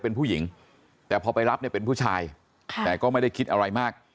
เป็นผู้หญิงแต่พอไปรับเนี่ยเป็นผู้ชายค่ะแต่ก็ไม่ได้คิดอะไรมาก